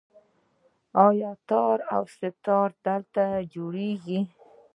آیا تار او سه تار هلته نه جوړیږي؟